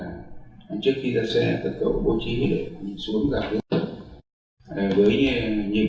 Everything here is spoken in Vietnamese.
trước khi ra xe tật cẩu bộ trí để nhìn xuống gặp các anh em